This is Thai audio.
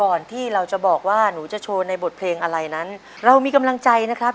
ที่เราจะบอกว่าหนูจะโชว์ในบทเพลงอะไรนั้นเรามีกำลังใจนะครับ